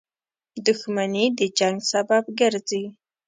• دښمني د جنګ سبب ګرځي.